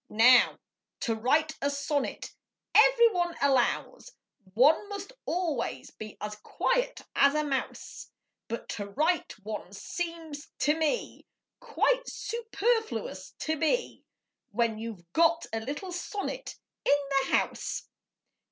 Now, to write a sonnet, every one allows, One must always be as quiet as a mouse; But to write one seems to me Quite superfluous to be, When you 've got a little sonnet in the house.